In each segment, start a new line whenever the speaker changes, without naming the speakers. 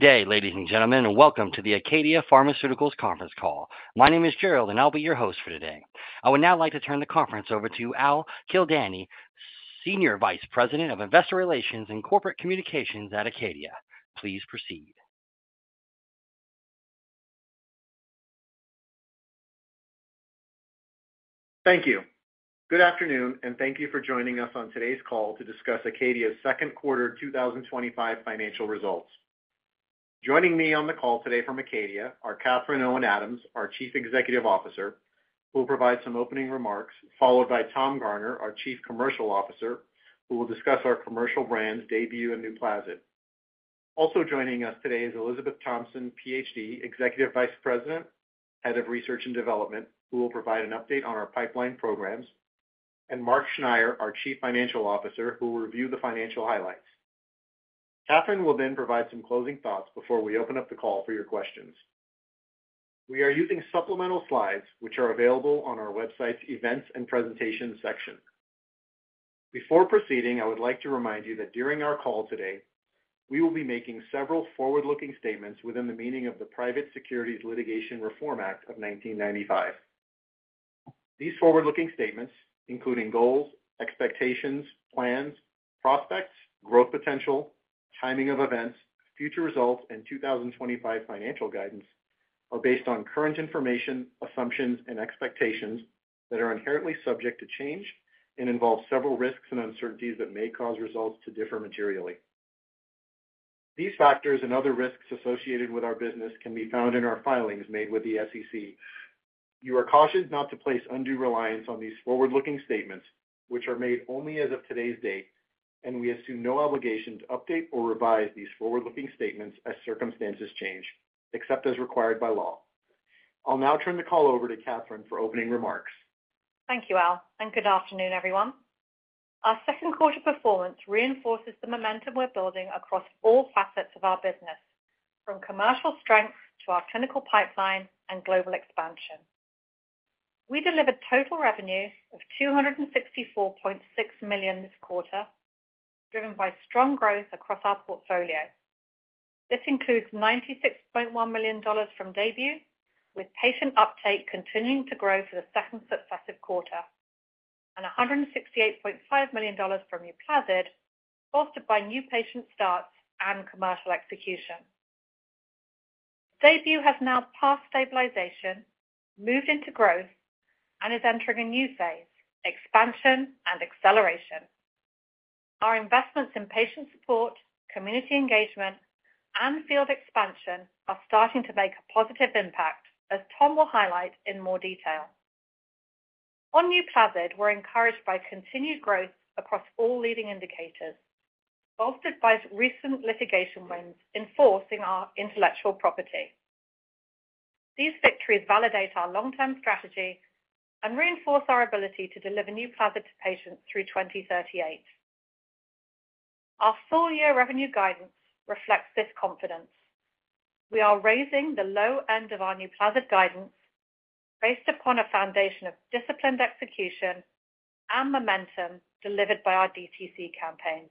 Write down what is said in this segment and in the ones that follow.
Today, ladies and gentlemen, and welcome to the Acadia Pharmaceuticals conference call. My name is Gerald, and I'll be your host for today. I would now like to turn the conference over to Al Kildani, Senior Vice President of Investor Relations at Acadia. Please proceed.
Thank you. Good afternoon, and thank you for joining us on today's call to discuss Acadia Pharmaceuticals' second quarter 2025 financial results. Joining me on the call today from Acadia Pharmaceuticals are Catherine Owens Adams, our Chief Executive Officer, who will provide some opening remarks, followed by Tom Garner, our Chief Commercial Officer, who will discuss our commercial brands, DAYBUE and NUPLAZID. Also joining us today is Elizabeth Thompson, PhD, Executive Vice President, Head of Research and Development, who will provide an update on our pipeline programs, and Mark Schneyer, our Chief Financial Officer, who will review the financial highlights. Catherine will then provide some closing thoughts before we open up the call for your questions. We are using supplemental slides, which are available on our website's events and presentations section. Before proceeding, I would like to remind you that during our call today, we will be making several forward-looking statements within the meaning of the Private Securities Litigation Reform Act of 1995. These forward-looking statements, including goals, expectations, plans, prospects, growth potential, timing of events, future results, and 2025 financial guidance, are based on current information, assumptions, and expectations that are inherently subject to change and involve several risks and uncertainties that may cause results to differ materially. These factors and other risks associated with our business can be found in our filings made with the SEC. You are cautioned not to place undue reliance on these forward-looking statements, which are made only as of today's date, and we assume no obligation to update or revise these forward-looking statements as circumstances change, except as required by law. I'll now turn the call over to Catherine for opening remarks.
Thank you, Al, and good afternoon, everyone. Our second quarter performance reinforces the momentum we're building across all facets of our business, from commercial strength to our clinical pipeline and global expansion. We delivered total revenue of $264.6 million this quarter, driven by strong growth across our portfolio. This includes $96.1 million from DAYBUE, with patient uptake continuing to grow for the second successive quarter, and $168.5 million from NUPLAZID, fostered by new patient starts and commercial execution. DAYBUE has now passed stabilization, moved into growth, and is entering a new phase: expansion and acceleration. Our investments in patient support, community engagement, and field expansion are starting to make a positive impact, as Tom will highlight in more detail. On NUPLAZID, we're encouraged by continued growth across all leading indicators, fostered by recent litigation wins enforcing our intellectual property. These victories validate our long-term strategy and reinforce our ability to deliver NUPLAZID to patients through 2038. Our full-year revenue guidance reflects this confidence. We are raising the low end of our NUPLAZID guidance based upon a foundation of disciplined execution and momentum delivered by our DTC campaign.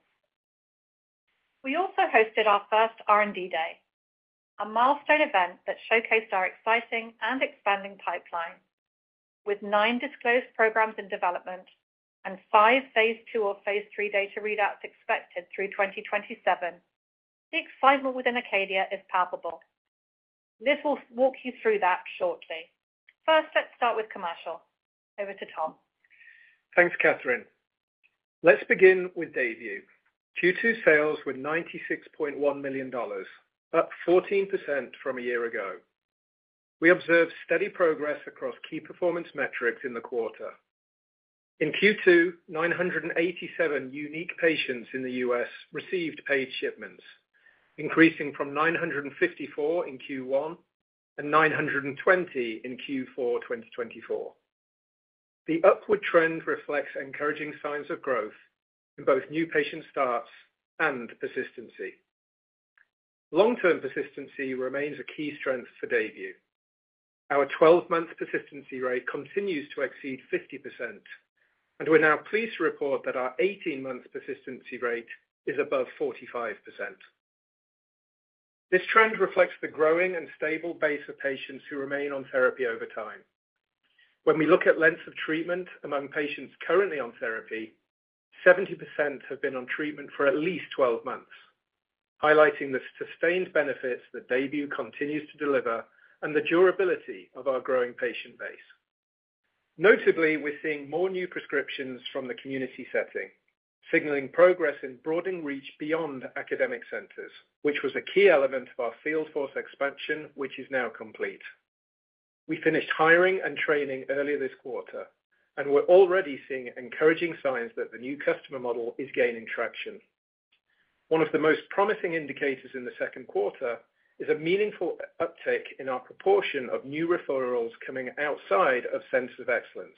We also hosted our first R&D Day, a milestone event that showcased our exciting and expanding pipeline. With nine disclosed programs in development and five Phase II or Phase III data readouts expected through 2027, the excitement within Acadia Pharmaceuticals is palpable. Liz will walk you through that shortly. First, let's start with commercial. Over to Tom.
Thanks, Catherine. Let's begin with DAYBUE. Q2 sales were $96.1 million, up 14% from a year ago. We observed steady progress across key performance metrics in the quarter. In Q2, 987 unique patients in the U.S. received paid shipments, increasing from 954 in Q1 and 920 in Q4 2024. The upward trend reflects encouraging signs of growth in both new patient starts and persistency. Long-term persistency remains a key strength for DAYBUE. Our 12-month persistency rate continues to exceed 50%, and we're now pleased to report that our 18-month persistency rate is above 45%. This trend reflects the growing and stable base of patients who remain on therapy over time. When we look at length of treatment among patients currently on therapy, 70% have been on treatment for at least 12 months, highlighting the sustained benefits that DAYBUE continues to deliver and the durability of our growing patient base. Notably, we're seeing more new prescriptions from the community setting, signaling progress in broadening reach beyond academic centers, which was a key element of our field force expansion, which is now complete. We finished hiring and training earlier this quarter, and we're already seeing encouraging signs that the new customer model is gaining traction. One of the most promising indicators in the second quarter is a meaningful uptick in our proportion of new referrals coming outside of centers of excellence,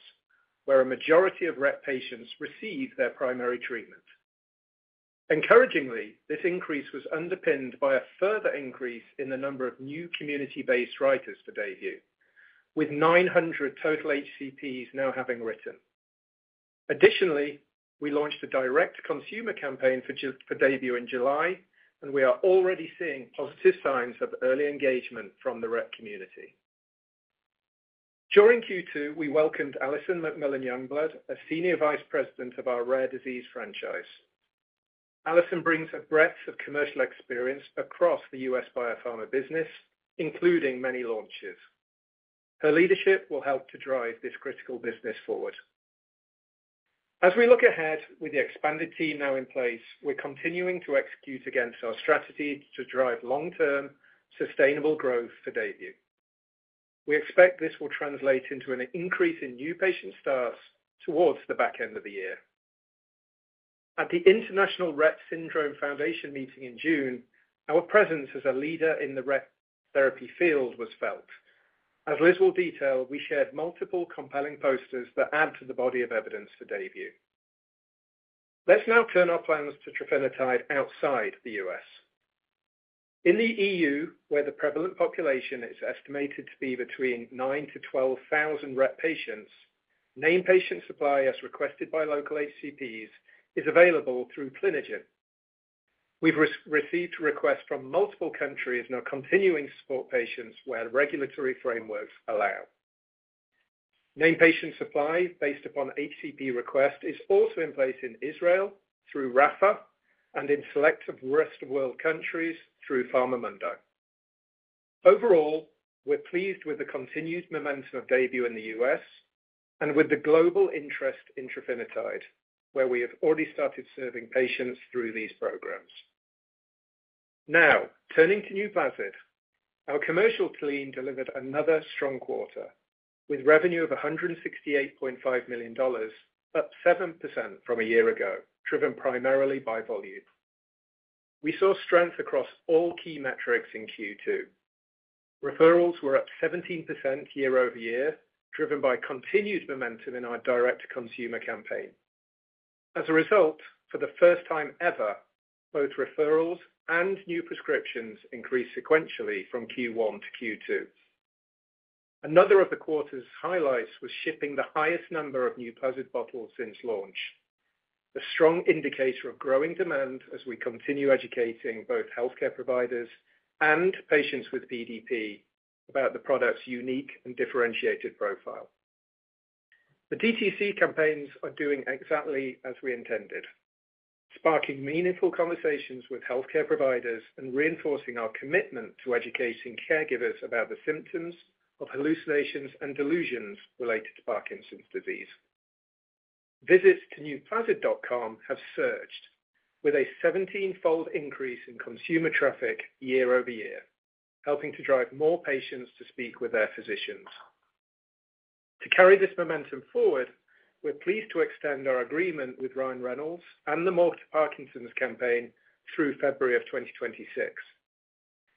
where a majority of Rett patients receive their primary treatment. Encouragingly, this increase was underpinned by a further increase in the number of new community-based writers for DAYBUE, with 900 total HCPs now having written. Additionally, we launched a direct-to-consumer (DTC) campaign for DAYBUE in July, and we are already seeing positive signs of early engagement from the Rett community. During Q2, we welcomed Alison McMillan Youngblood, a Senior Vice President of our rare disease franchise. Alison brings a breadth of commercial experience across the U.S. biopharma business, including many launches. Her leadership will help to drive this critical business forward. As we look ahead with the expanded team now in place, we're continuing to execute against our strategy to drive long-term, sustainable growth for DAYBUE. We expect this will translate into an increase in new patient starts towards the back end of the year. At the International Rett Syndrome Foundation meeting in June, our presence as a leader in the Rett therapy field was felt. As Liz will detail, we shared multiple compelling posters that add to the body of evidence for DAYBUE. Let's now turn to our plans for trofinetide outside the U.S. In the EU, where the prevalent population is estimated to be between 9,000-12,000 Rett patients, named patient supply, as requested by local HCPs, is available through Flynn Pharma. We've received requests from multiple countries and are continuing to support patients where regulatory frameworks allow. Named patient supply, based upon HCP request, is also in place in Israel through Rafa, and in select rest of the world countries through Pharmamondo. Overall, we're pleased with the continued momentum of DAYBUE in the U.S. and with the global interest in trofinetide, where we have already started serving patients through these programs. Now, turning to NUPLAZID, our commercial team delivered another strong quarter with revenue of $168.5 million, up 7% from a year ago, driven primarily by volume. We saw strength across all key metrics in Q2. Referrals were up 17% year-over-year, driven by continued momentum in our direct-to-consumer (DTC) campaign. As a result, for the first time ever, both referrals and new prescriptions increased sequentially from Q1 to Q2. Another of the quarter's highlights was shipping the highest number of NUPLAZID bottles since launch, a strong indicator of growing demand as we continue educating both healthcare providers and patients with PDP about the product's unique and differentiated profile. The DTC campaigns are doing exactly as we intended, sparking meaningful conversations with healthcare providers and reinforcing our commitment to educating caregivers about the symptoms of hallucinations and delusions related to Parkinson's disease. Visits to nuplazid.com have surged, with a 17-fold increase in consumer traffic year-over-year, helping to drive more patients to speak with their physicians. To carry this momentum forward, we're pleased to extend our agreement with Ryan Reynolds and the MOVE to Parkinson's campaign through February of 2026.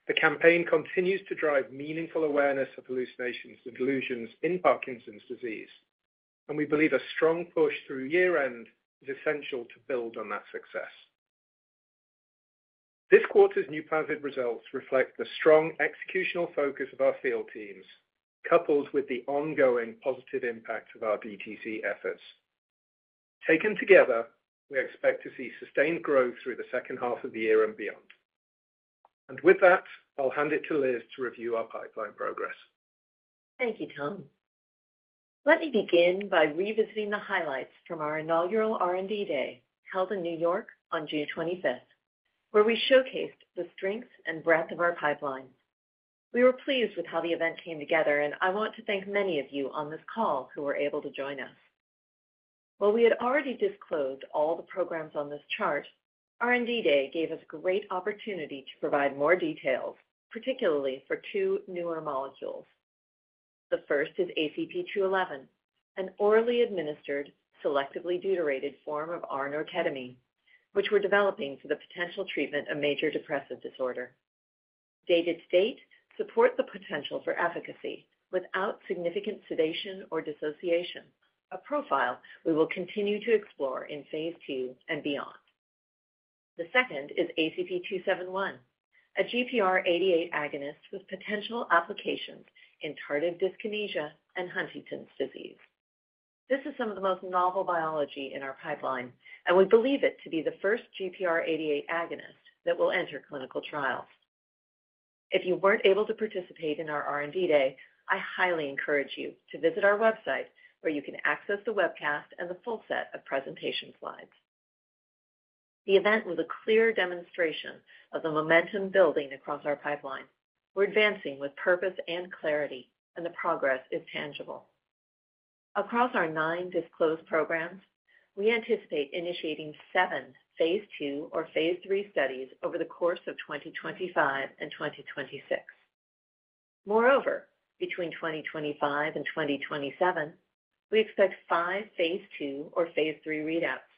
The campaign continues to drive meaningful awareness of hallucinations and delusions in Parkinson's disease, and we believe a strong push through year-end is essential to build on that success. This quarter's NUPLAZID results reflect the strong executional focus of our field teams, coupled with the ongoing positive impact of our DTC efforts. Taken together, we expect to see sustained growth through the second half of the year and beyond. With that, I'll hand it to Liz to review our pipeline progress.
Thank you, Tom. Let me begin by revisiting the highlights from our inaugural R&D Day held in New York on June 25, where we showcased the strength and breadth of our pipeline. We were pleased with how the event came together, and I want to thank many of you on this call who were able to join us. While we had already disclosed all the programs on this chart, R&D Day gave us a great opportunity to provide more details, particularly for two newer molecules. The first is ACP-211, an orally administered, selectively deuterated form of R-norketamine, which we're developing for the potential treatment of major depressive disorder. Data to date support the potential for efficacy without significant sedation or dissociation, a profile we will continue to explore in Phase II and beyond. The second is ACP-271, a GPR88 agonist with potential applications in tardive dyskinesia and Huntington's disease. This is some of the most novel biology in our pipeline, and we believe it to be the first GPR88 agonist that will enter clinical trials. If you weren't able to participate in our R&D Day, I highly encourage you to visit our website, where you can access the webcast and the full set of presentation slides. The event was a clear demonstration of the momentum building across our pipeline. We're advancing with purpose and clarity, and the progress is tangible. Across our nine disclosed programs, we anticipate initiating seven Phase II or Phase III studies over the course of 2025 and 2026. Moreover, between 2025 and 2027, we expect five Phase II or Phase III readouts.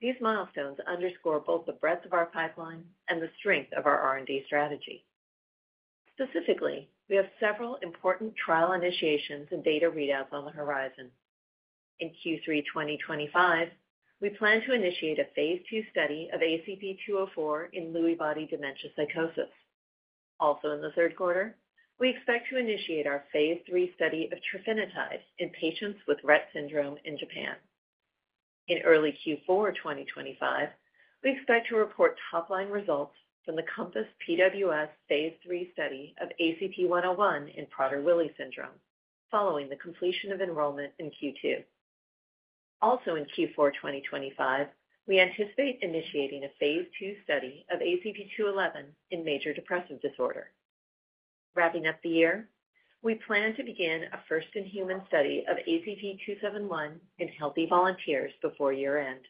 These milestones underscore both the breadth of our pipeline and the strength of our R&D strategy. Specifically, we have several important trial initiations and data readouts on the horizon. In Q3 2025, we plan to initiate a Phase II study of ACP-204 in Lewy body dementia psychosis. Also in the third quarter, we expect to initiate our Phase III study of trofinetide in patients with Rett syndrome in Japan. In early Q4 2025, we expect to report top-line results from the COMPASS PWS Phase III study of ACP-101 in Prader-Willi syndrome, following the completion of enrollment in Q2. Also in Q4 2025, we anticipate initiating a Phase II study of ACP-211 in major depressive disorder. Wrapping up the year, we plan to begin a first-in-human study of ACP-271 in healthy volunteers before year-end.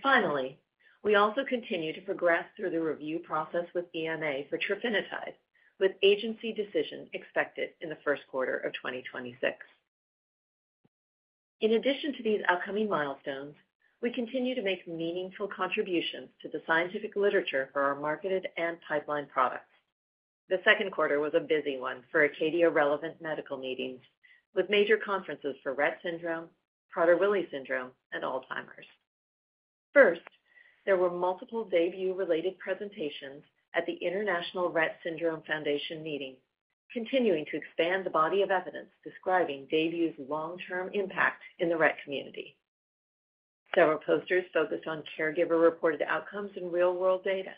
Finally, we also continue to progress through the review process with PMDA for trofinetide, with agency decision expected in the first quarter of 2026. In addition to these upcoming milestones, we continue to make meaningful contributions to the scientific literature for our marketed and pipeline products. The second quarter was a busy one for Acadia Pharmaceuticals-relevant medical meetings, with major conferences for Rett syndrome, Prader-Willi syndrome, and Alzheimer's. There were multiple DAYBUE-related presentations at the International Rett Syndrome Foundation meeting, continuing to expand the body of evidence describing DAYBUE's long-term impact in the Rett community. There were posters focused on caregiver-reported outcomes and real-world data,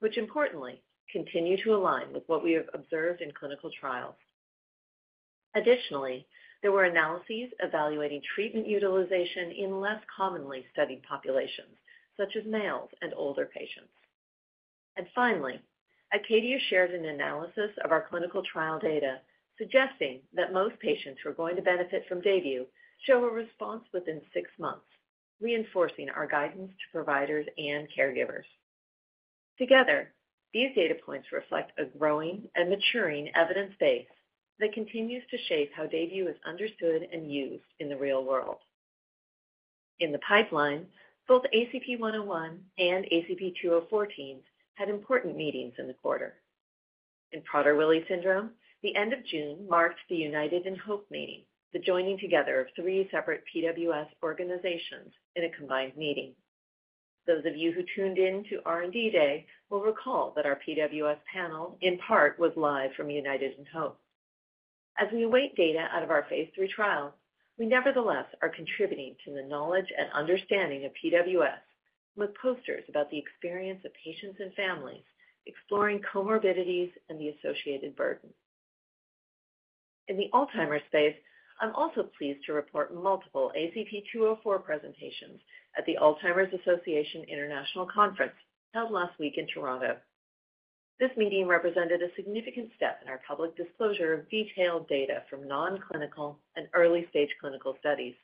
which, importantly, continue to align with what we have observed in clinical trials. Additionally, there were analyses evaluating treatment utilization in less commonly studied populations, such as males and older patients. Acadia Pharmaceuticals shared an analysis of our clinical trial data, suggesting that most patients who are going to benefit from DAYBUE show a response within six months, reinforcing our guidance to providers and caregivers. Together, these data points reflect a growing and maturing evidence base that continues to shape how DAYBUE is understood and used in the real world. In the pipeline, both ACP-101 and ACP-204 teams had important meetings in the quarter. In Prader-Willi syndrome, the end of June marked the United in Hope meeting, the joining together of three separate PWS organizations in a combined meeting. Those of you who tuned in to R&D Day will recall that our PWS panel, in part, was live from United in Hope. As we await data out of our Phase III trial, we nevertheless are contributing to the knowledge and understanding of PWS, with posters about the experience of patients and families exploring comorbidities and the associated burden. In the Alzheimer's space, I'm also pleased to report multiple ACP-204 presentations at the Alzheimer's Association International Conference held last week in Toronto. This meeting represented a significant step in our public disclosure of detailed data from non-clinical and early-stage clinical studies,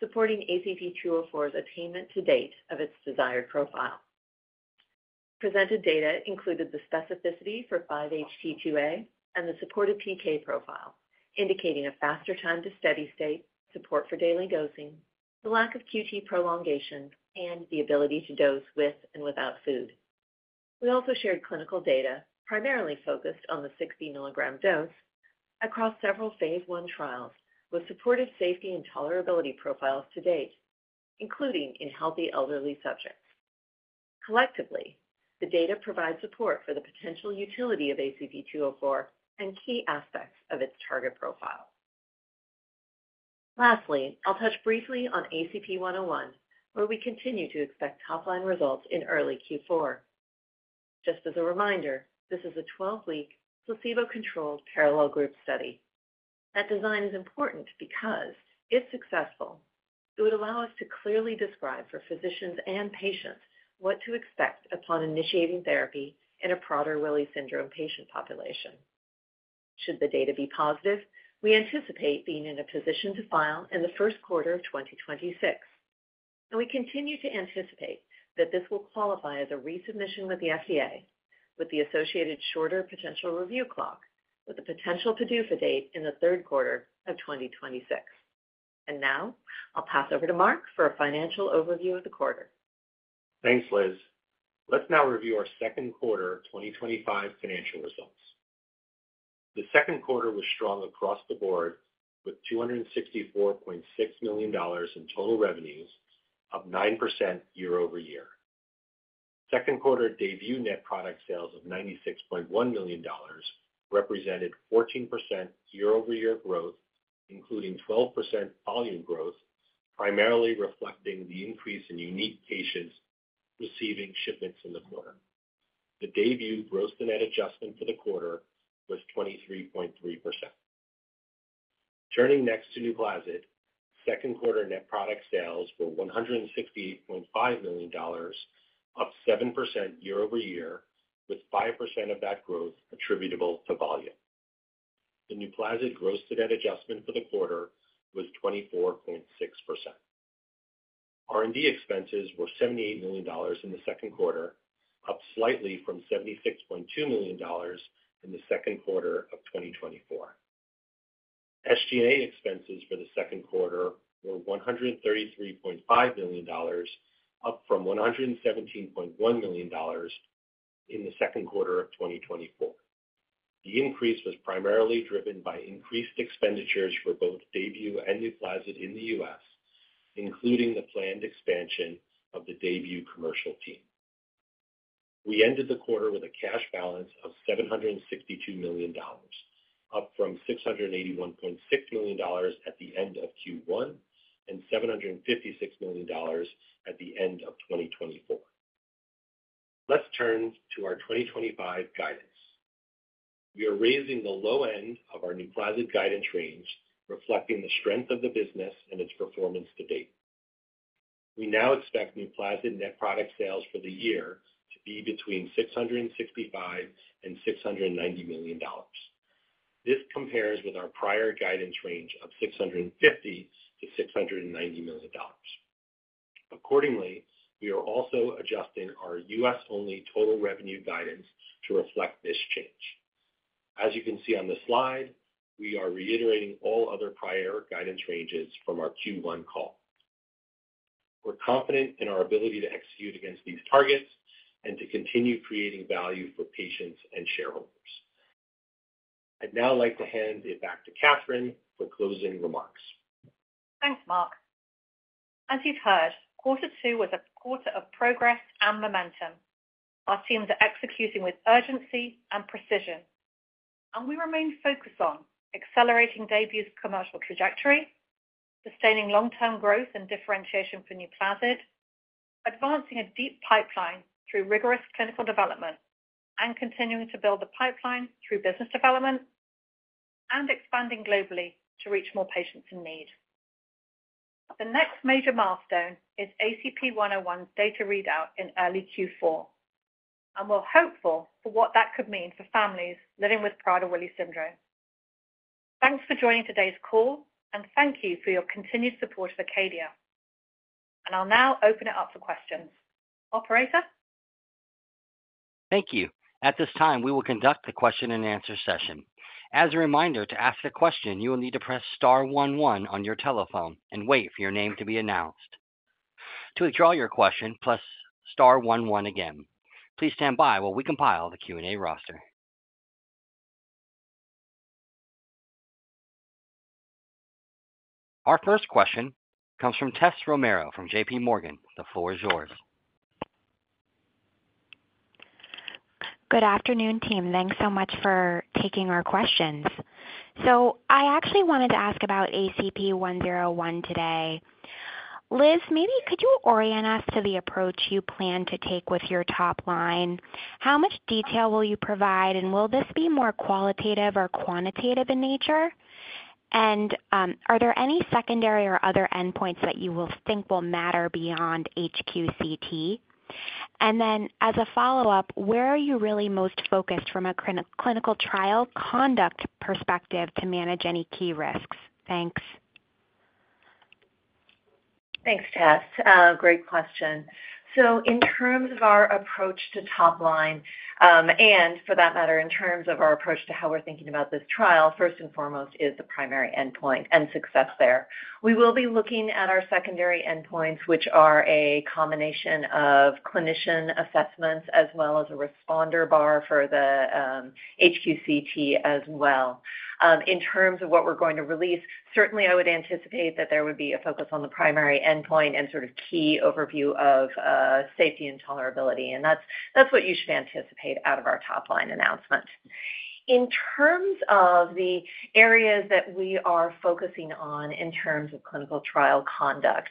supporting ACP-204's attainment to date of its desired profile. Presented data included the specificity for 5-HT2A and the supported PK profile, indicating a faster time to steady state, support for daily dosing, the lack of QT prolongation, and the ability to dose with and without food. We also shared clinical data primarily focused on the 60 mg dose across several Phase I trials with supportive safety and tolerability profiles to date, including in healthy elderly subjects. Collectively, the data provide support for the potential utility of ACP-204 and key aspects of its target profile. Lastly, I'll touch briefly on ACP-101, where we continue to expect top-line results in early Q4. Just as a reminder, this is a 12-week placebo-controlled parallel group study. That design is important because, if successful, it would allow us to clearly describe for physicians and patients what to expect upon initiating therapy in a Prader-Willi syndrome patient population. Should the data be positive, we anticipate being in a position to file in the first quarter of 2026. We continue to anticipate that this will qualify as a resubmission with the FDA, with the associated shorter potential review clock, with the potential to do for date in the third quarter of 2026. Now, I'll pass over to Mark for a financial overview of the quarter.
Thanks, Liz. Let's now review our second quarter 2025 financial results. The second quarter was strong across the board, with $264.6 million in total revenues, up 9% year-over-year. Second quarter DAYBUE net product sales of $96.1 million represented 14% year-over-year growth, including 12% volume growth, primarily reflecting the increase in unique patients receiving shipments in the quarter. The DAYBUE gross to net adjustment for the quarter was 23.3%. Turning next to NUPLAZID, second quarter net product sales were $168.5 million, up 7% year-over-year, with 5% of that growth attributable to volume. The NUPLAZID gross to net adjustment for the quarter was 24.6%. R&D expenses were $78 million in the second quarter, up slightly from $76.2 million in the second quarter of 2024. SG&A expenses for the second quarter were $133.5 million, up from $117.1 million in the second quarter of 2024. The increase was primarily driven by increased expenditures for both DAYBUE and NUPLAZID in the U.S., including the planned expansion of the DAYBUE commercial team. We ended the quarter with a cash balance of $762 million, up from $681.6 million at the end of Q1 and $756 million at the end of 2024. Let's turn to our 2025 guidance. We are raising the low end of our NUPLAZID guidance range, reflecting the strength of the business and its performance to date. We now expect NUPLAZID net product sales for the year to be between $665 million and $690 million. This compares with our prior guidance range of $650 million-$690 million. Accordingly, we are also adjusting our U.S.-only total revenue guidance to reflect this change. As you can see on the slide, we are reiterating all other prior guidance ranges from our Q1 call. We're confident in our ability to execute against these targets and to continue creating value for patients and shareholders. I'd now like to hand it back to Catherine for closing remarks.
Thanks, Mark. As you've heard, quarter two was a quarter of progress and momentum. Our teams are executing with urgency and precision. We remain focused on accelerating DAYBUE's commercial trajectory, sustaining long-term growth and differentiation for NUPLAZID, advancing a deep pipeline through rigorous clinical development, continuing to build the pipeline through business development, and expanding globally to reach more patients in need. The next major milestone is ACP-101 data readout in early Q4, and we're hopeful for what that could mean for families living with Prader-Willi syndrome. Thanks for joining today's call, and thank you for your continued support of Acadia Pharmaceuticals. I'll now open it up for questions. Operator?
Thank you. At this time, we will conduct the question-and-answer session. As a reminder, to ask a question, you will need to press star one one on your telephone and wait for your name to be announced. To withdraw your question, press star one one again. Please stand by while we compile the Q&A roster. Our first question comes from Tess Romero from J.P. Morgan. The floor is yours.
Good afternoon, team. Thanks so much for taking our questions. I actually wanted to ask about ACP-101 today. Liz, maybe could you orient us to the approach you plan to take with your top line? How much detail will you provide, and will this be more qualitative or quantitative in nature? Are there any secondary or other endpoints that you think will matter beyond HQCT? As a follow-up, where are you really most focused from a clinical trial conduct perspective to manage any key risks? Thanks.
Thanks, Tess. Great question. In terms of our approach to top line, and for that matter, in terms of our approach to how we're thinking about this trial, first and foremost is the primary endpoint and success there. We will be looking at our secondary endpoints, which are a combination of clinician assessments as well as a responder bar for the HQCT as well. In terms of what we're going to release, certainly, I would anticipate that there would be a focus on the primary endpoint and sort of key overview of safety and tolerability. That's what you should anticipate out of our top line announcement. In terms of the areas that we are focusing on in terms of clinical trial conduct,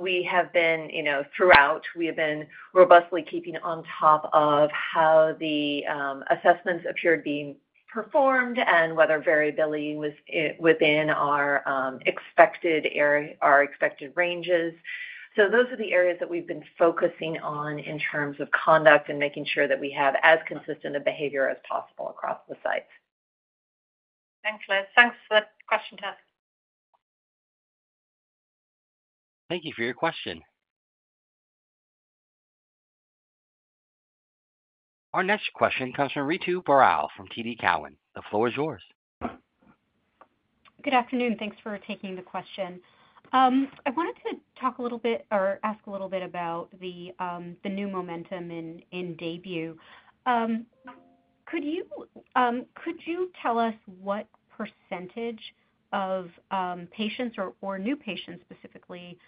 we have been robustly keeping on top of how the assessments appeared being performed and whether variability was within our expected ranges. Those are the areas that we've been focusing on in terms of conduct and making sure that we have as consistent a behavior as possible across the sites.
Thanks, Liz. Thanks for the question, Tess.
Thank you for your question. Our next question comes from Ritu Baral from TD Cowen. The floor is yours.
Good afternoon. Thanks for taking the question. I wanted to talk a little bit or ask a little bit about the new momentum in DAYBUE. Could you tell us what percentage of patients or new patients specifically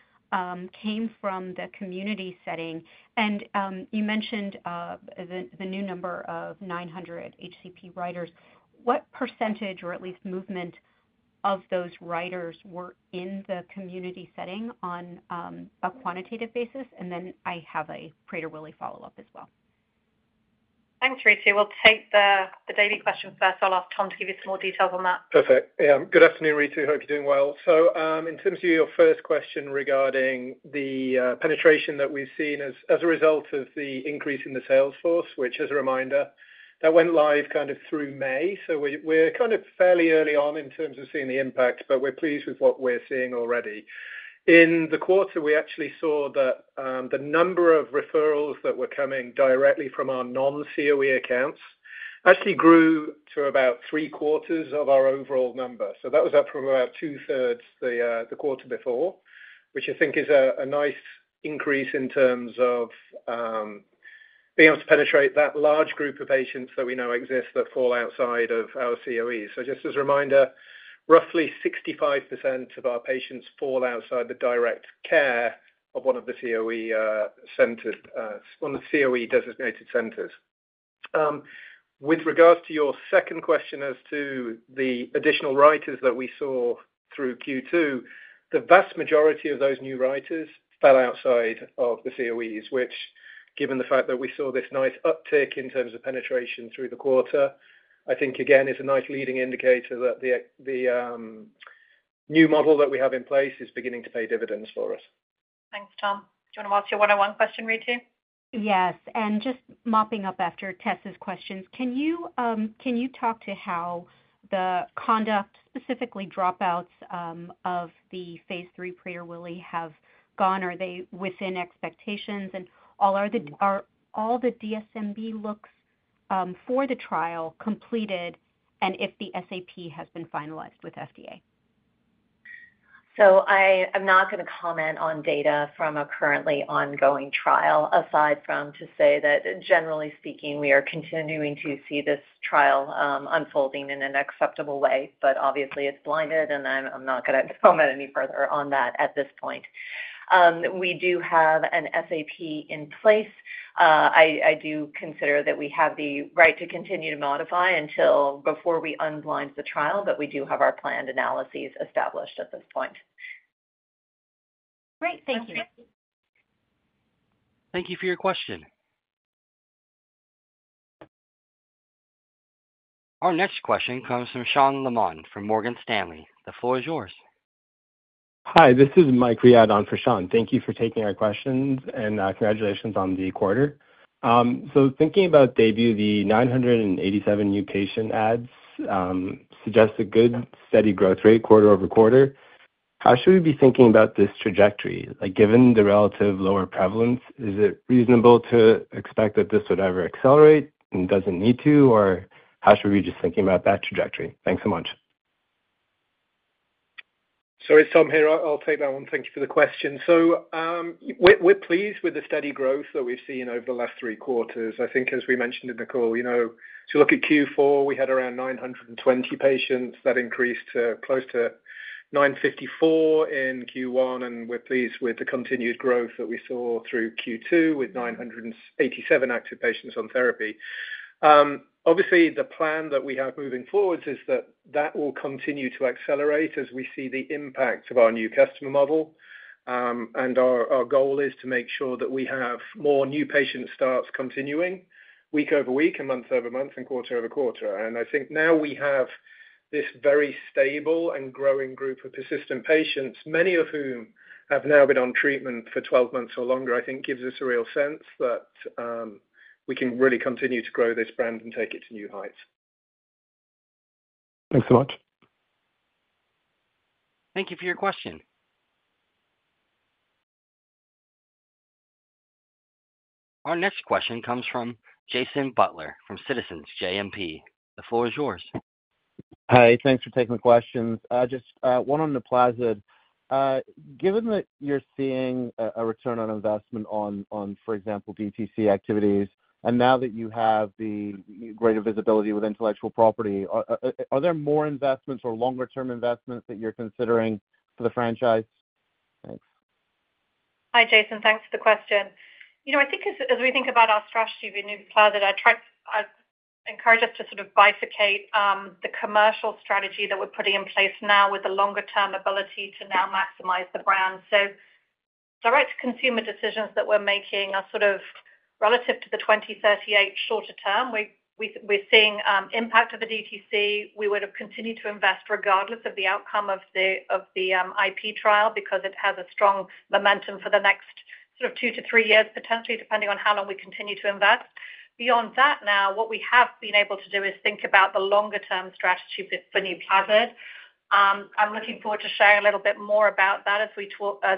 came from the community setting? You mentioned the new number of 900 HCP writers. What percentage or at least movement of those writers were in the community setting on a quantitative basis? I have a Prader-Willi follow-up as well.
Thanks, Ritu. We'll take the DAYBUE question first. I'll ask Tom to give you some more details on that.
Perfect. Good afternoon, Ritu. Hope you're doing well. In terms of your first question regarding the penetration that we've seen as a result of the increase in the sales force, which, as a reminder, went live kind of through May, we're fairly early on in terms of seeing the impact, but we're pleased with what we're seeing already. In the quarter, we actually saw that the number of referrals that were coming directly from our non-COE accounts grew to about three quarters of our overall number. That was up from about two-thirds the quarter before, which I think is a nice increase in terms of being able to penetrate that large group of patients that we know exist that fall outside of our COE. Just as a reminder, roughly 65% of our patients fall outside the direct care of one of the COE centers, one of the COE designated centers. With regards to your second question as to the additional writers that we saw through Q2, the vast majority of those new writers fell outside of the COEs, which, given the fact that we saw this nice uptick in terms of penetration through the quarter, I think is a nice leading indicator that the new model that we have in place is beginning to pay dividends for us.
Thanks, Tom. Do you want to ask your one-on-one question, Ritu?
Yes. Just mopping up after Tess's questions, can you talk to how the conduct, specifically dropouts of the Phase III Prader-Willi, have gone? Are they within expectations? Are all the DSMB looks for the trial completed, and if the SAP has been finalized with FDA?
I'm not going to comment on data from a currently ongoing trial, aside from to say that, generally speaking, we are continuing to see this trial unfolding in an acceptable way. Obviously, it's blinded, and I'm not going to comment any further on that at this point. We do have an SAP in place. I do consider that we have the right to continue to modify until before we unblind the trial, but we do have our planned analyses established at this point.
Great. Thank you.
Thank you for your question. Our next question comes from Sean Lamont from Morgan Stanley. The floor is yours.
Hi. This is Mike Riad on for Sean. Thank you for taking our questions, and congratulations on the quarter. Thinking about DAYBUE, the 987 new patient adds suggest a good steady growth rate quarter-over-quarter. How should we be thinking about this trajectory? Given the relative lower prevalence, is it reasonable to expect that this would ever accelerate and doesn't need to? How should we be just thinking about that trajectory? Thanks so much.
Sorry, Tom here. I'll take that one. Thank you for the question. We're pleased with the steady growth that we've seen over the last three quarters. I think, as we mentioned in the call, to look at Q4, we had around 920 patients. That increased to close to 954 in Q1, and we're pleased with the continued growth that we saw through Q2 with 987 active patients on therapy. Obviously, the plan that we have moving forward is that will continue to accelerate as we see the impact of our new customer model. Our goal is to make sure that we have more new patient starts continuing week over week, month over month, and quarter-over-quarter. I think now we have this very stable and growing group of persistent patients, many of whom have now been on treatment for 12 months or longer. I think it gives us a real sense that we can really continue to grow this brand and take it to new heights.
Thanks so much.
Thank you for your question. Our next question comes from Jason Butler from Citizens JMP. The floor is yours.
Hi. Thanks for taking the questions. Just one on NUPLAZID. Given that you're seeing a return on investment on, for example, DTC activities, and now that you have the greater visibility with intellectual property, are there more investments or longer-term investments that you're considering for the franchise?
Hi, Jason. Thanks for the question. I think as we think about our strategy for NUPLAZID, I try to encourage us to sort of bifurcate the commercial strategy that we're putting in place now with the longer-term ability to now maximize the brand. Direct-to-consumer decisions that we're making are sort of relative to the 2038, shorter term. We're seeing impact of the DTC. We would have continued to invest regardless of the outcome of the intellectual property litigation because it has a strong momentum for the next sort of two to three years, potentially, depending on how long we continue to invest. Beyond that, what we have been able to do is think about the longer-term strategy for NUPLAZID. I'm looking forward to sharing a little bit more about that as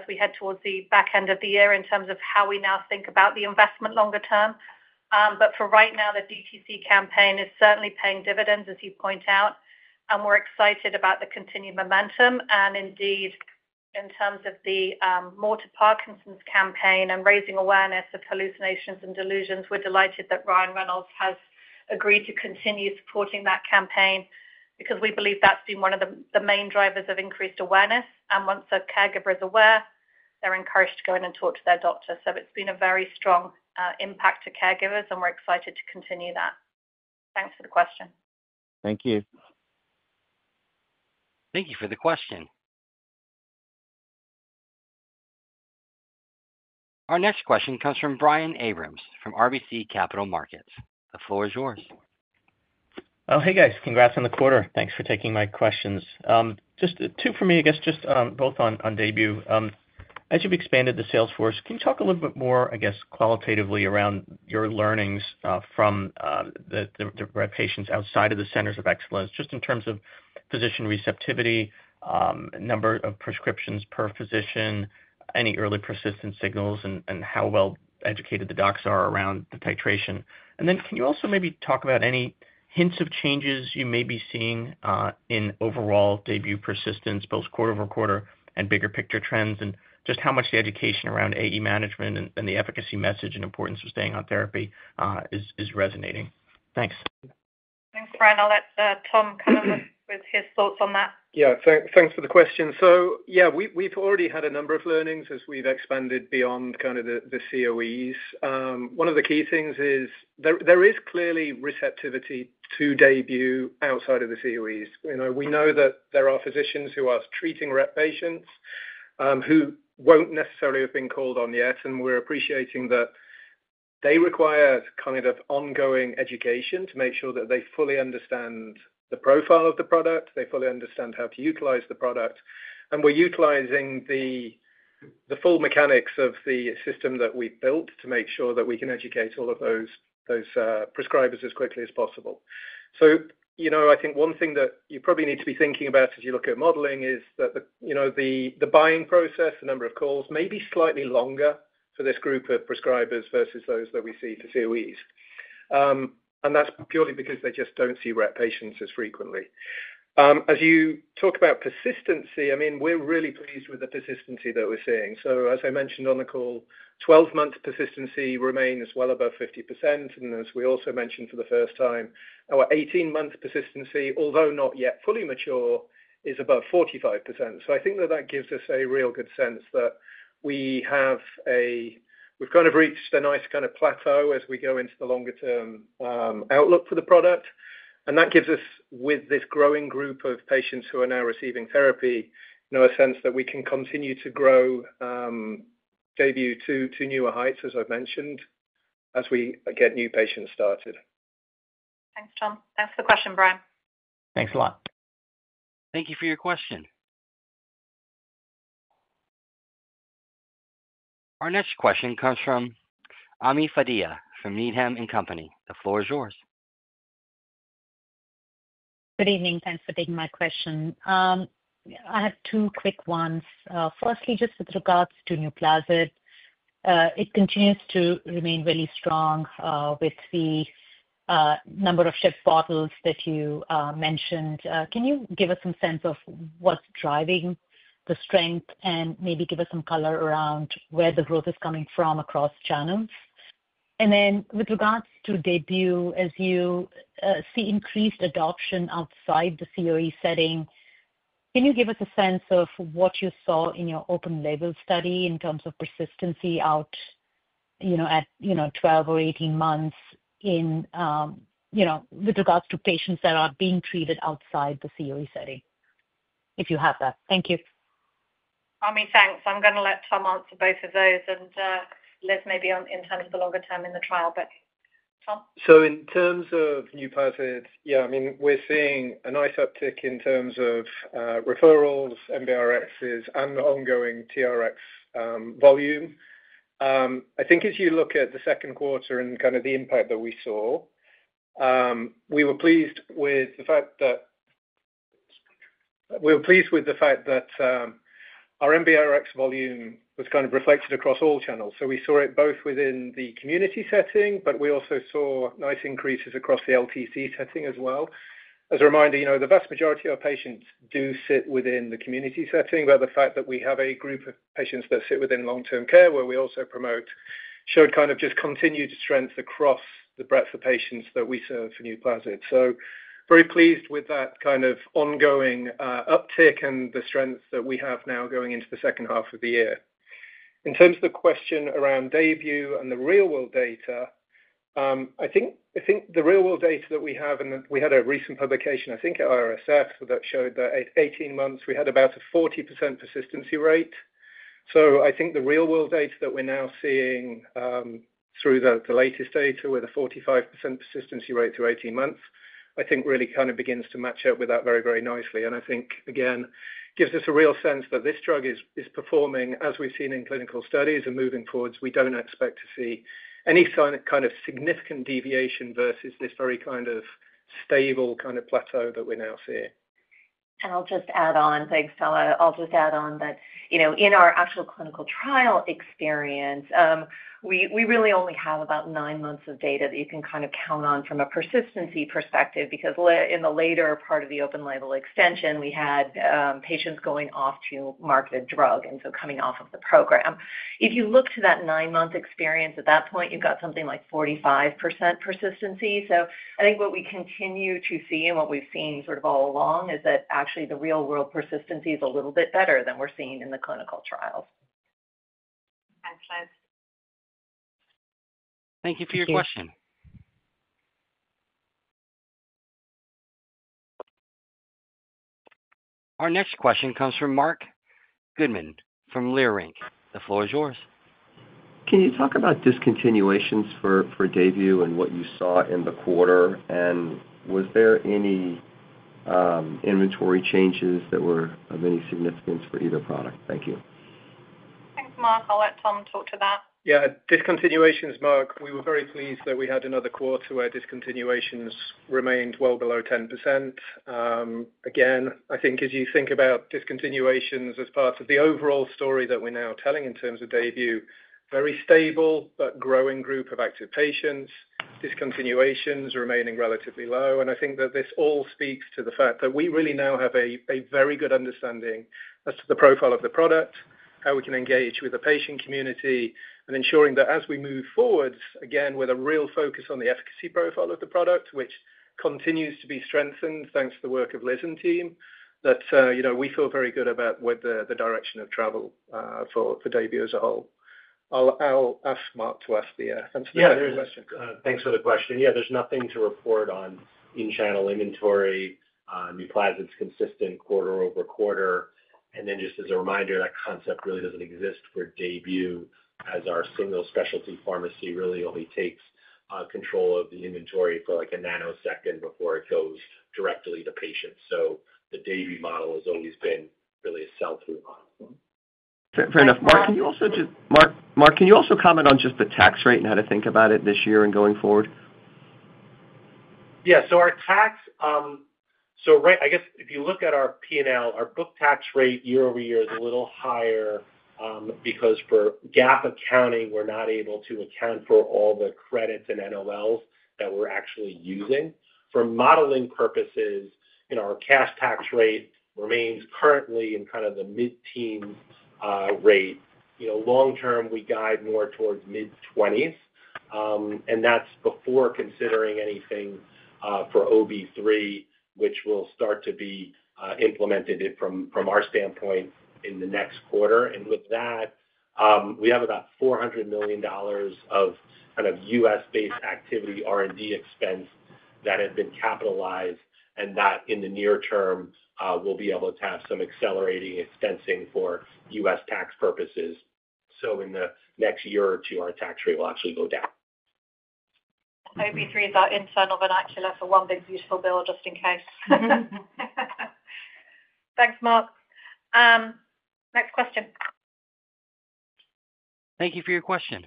we head towards the back end of the year in terms of how we now think about the investment longer term. For right now, the DTC campaign is certainly paying dividends, as you point out. We're excited about the continued momentum. Indeed, in terms of the MOVE to Parkinson's campaign and raising awareness of hallucinations and delusions, we're delighted that Ryan Reynolds has agreed to continue supporting that campaign because we believe that's been one of the main drivers of increased awareness. Once a caregiver is aware, they're encouraged to go in and talk to their doctor. It's been a very strong impact to caregivers, and we're excited to continue that. Thanks for the question.
Thank you.
Thank you for the question. Our next question comes from Brian Abrams from RBC Capital Markets. The floor is yours.
Congratulations on the quarter. Thanks for taking my questions. Just two for me, both on DAYBUE. As you've expanded the sales force, can you talk a little bit more qualitatively around your learnings from the patients outside of the centers of excellence, just in terms of physician receptivity, number of prescriptions per physician, any early persistency signals, and how well educated the docs are around the titration? Can you also maybe talk about any hints of changes you may be seeing in overall DAYBUE persistence, both quarter-over-quarter and bigger picture trends, and just how much the education around AE management and the efficacy message and importance of staying on therapy is resonating? Thanks.
Thanks, Brian. I'll let Tom come in with his thoughts on that.
Yeah, thanks for the question. We've already had a number of learnings as we've expanded beyond kind of the COEs. One of the key things is there is clearly receptivity to DAYBUE outside of the COEs. We know that there are physicians who are treating Rett patients who won't necessarily have been called on yet, and we're appreciating that they require kind of ongoing education to make sure that they fully understand the profile of the product, they fully understand how to utilize the product. We're utilizing the full mechanics of the system that we've built to make sure that we can educate all of those prescribers as quickly as possible. I think one thing that you probably need to be thinking about as you look at modeling is that the buying process, the number of calls may be slightly longer for this group of prescribers versus those that we see to COEs. That's purely because they just don't see Rett patients as frequently. As you talk about persistency, we're really pleased with the persistency that we're seeing. As I mentioned on the call, 12-month persistency remains well above 50%. As we also mentioned for the first time, our 18-month persistency, although not yet fully mature, is above 45%. I think that gives us a real good sense that we've kind of reached a nice kind of plateau as we go into the longer-term outlook for the product. That gives us, with this growing group of patients who are now receiving therapy, a sense that we can continue to grow DAYBUE to newer heights, as I've mentioned, as we get new patients started.
Thanks, Tom. Thanks for the question, Brian.
Thanks a lot.
Thank you for your question. Our next question comes from Ami Fadia from Needham. The floor is yours.
Good evening. Thanks for taking my question. I have two quick ones. Firstly, just with regards to NUPLAZID, it continues to remain really strong with the number of sip bottles that you mentioned. Can you give us some sense of what's driving the strength and maybe give us some color around where the growth is coming from across channels? With regards to DAYBUE, as you see increased adoption outside the COE setting, can you give us a sense of what you saw in your open label study in terms of persistency out at 12 or 18 months with regards to patients that are being treated outside the COE setting, if you have that? Thank you.
Ami, thanks. I'm going to let Tom answer both of those. Liz, maybe in terms of the longer term in the trial, but Tom?
In terms of NUPLAZID, yeah, I mean, we're seeing a nice uptick in terms of referrals, MBRXs, and the ongoing TRX volume. I think as you look at the second quarter and kind of the impact that we saw, we were pleased with the fact that our MBRX volume was kind of reflected across all channels. We saw it both within the community setting, but we also saw nice increases across the LTC setting as well. As a reminder, the vast majority of our patients do sit within the community setting, but the fact that we have a group of patients that sit within long-term care, where we also promote, showed continued strength across the breadth of patients that we serve for NUPLAZID. Very pleased with that ongoing uptick and the strength that we have now going into the second half of the year. In terms of the question around DAYBUE and the real-world data, I think the real-world data that we have, and we had a recent publication at IRSF that showed that at 18 months, we had about a 40% persistency rate. The real-world data that we're now seeing through the latest data with a 45% persistency rate through 18 months, I think really kind of begins to match up with that very, very nicely. I think, again, gives us a real sense that this drug is performing as we've seen in clinical studies. Moving forwards, we don't expect to see any kind of significant deviation versus this very stable kind of plateau that we're now seeing.
I'll just add on, thanks, Tella. I'll just add on that, you know, in our actual clinical trial experience, we really only have about nine months of data that you can kind of count on from a persistency perspective because in the later part of the open label extension, we had patients going off to market a drug and coming off of the program. If you look to that nine-month experience, at that point, you've got something like 45% persistency. I think what we continue to see and what we've seen sort of all along is that actually the real-world persistency is a little bit better than we're seeing in the clinical trials.
Thanks, Tess.
Thank you for your question. Our next question comes from Marc Goodman from Leerink. The floor is yours.
Can you talk about discontinuations for DAYBUE and what you saw in the quarter? Was there any inventory changes that were of any significance for either product? Thank you.
Thanks, Mark. I'll let Tom talk to that.
Yeah, discontinuations, Mark, we were very pleased that we had another quarter where discontinuations remained well below 10%. I think as you think about discontinuations as part of the overall story that we're now telling in terms of DAYBUE, very stable but growing group of active patients, discontinuations remaining relatively low. I think that this all speaks to the fact that we really now have a very good understanding as to the profile of the product, how we can engage with the patient community, and ensuring that as we move forwards, with a real focus on the efficacy profile of the product, which continues to be strengthened thanks to the work of Liz and team, that we feel very good about the direction of travel for DAYBUE as a whole. I'll ask Mark to answer that question.
Yeah, thanks for the question. There's nothing to report on in-channel inventory. NUPLAZID's consistent quarter-over-quarter. Just as a reminder, that concept really doesn't exist for DAYBUE as our single specialty pharmacy really only takes control of the inventory for like a nanosecond before it goes directly to patients. The DAYBUE model has always been really a sell-through model.
Fair enough. Mark, can you also comment on just the tax rate and how to think about it this year and going forward?
Yeah. Our tax, if you look at our P&L, our book tax rate year-over-year is a little higher because for GAAP accounting, we're not able to account for all the credits and NOLs that we're actually using. For modeling purposes, our cash tax rate remains currently in kind of the mid-teens rate. Long-term, we guide more towards mid-20s, and that's before considering anything for OB3, which will start to be implemented from our standpoint in the next quarter. We have about $400 million of U.S.-based activity R&D expense that has been capitalized, and that in the near term will be able to have some accelerating expensing for U.S. tax purposes. In the next year or two, our tax rate will actually go down.
OB3 is our internal vernacular for one big useful bill, just in case. Thanks, Marc. Next question.
Thank you for your question.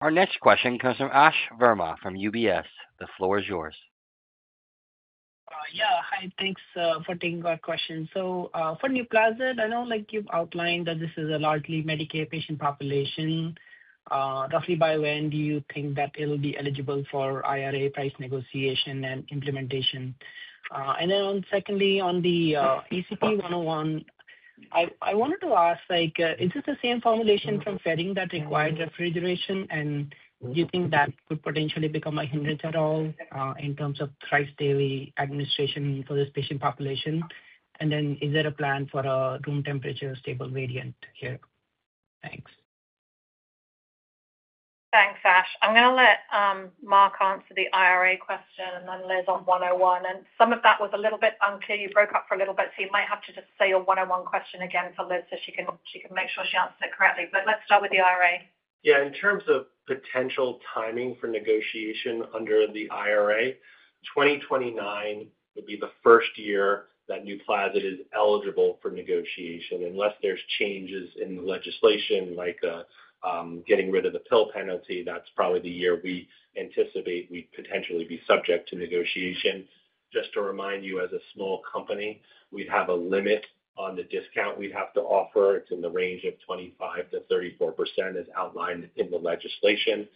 Our next question comes from Ash Verma from UBS. The floor is yours.
Hi. Thanks for taking our question. For NUPLAZID, I know you've outlined that this is a largely Medicare patient population. Roughly by when do you think that it'll be eligible for IRA price negotiation and implementation? Secondly, on the ACP-101, I wanted to ask, is this the same formulation from FedIn that required refrigeration? Do you think that could potentially become a hindrance at all in terms of price daily administration for this patient population? Is there a plan for a room temperature stable variant here? Thanks.
Thanks, Ash. I'm going to let Mark answer the IRA question and then Liz on 101. Some of that was a little bit bunky. You broke up for a little bit, so you might have to just say your 101 question again to Liz so she can make sure she answered it correctly. Let's start with the IRA.
Yeah. In terms of potential timing for negotiation under the IRA, 2029 would be the first year that NUPLAZID is eligible for negotiation. Unless there's changes in the legislation, like getting rid of the pill penalty, that's probably the year we anticipate we'd potentially be subject to negotiation. Just to remind you, as a small company, we'd have a limit on the discount we'd have to offer. It's in the range of 25%-34% as outlined in the legislation.